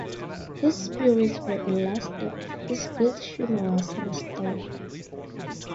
His spirits were elastic; his good-humour was restored.